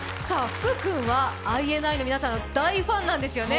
福くんはＩＮＩの皆さんの大ファンなんですよね？